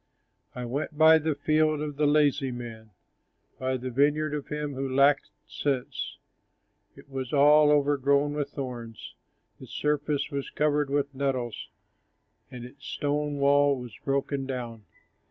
I went by the field of the lazy man, By the vineyard of him who lacked sense, It was all overgrown with thorns, Its surface was covered with nettles, And its stone wall was broken down.